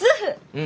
うん。